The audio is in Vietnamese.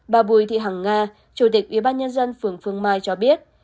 bà bùi thị hằng nga chủ tịch ủy ban nhân dân phường phương mai cho biết